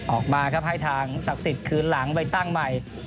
ออกมาครับให้ทางศักดิ์สิทธิ์คืนหลังไปตั้งใหม่